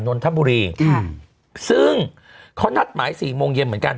นนทบุรีค่ะซึ่งเขานัดหมายสี่โมงเย็นเหมือนกัน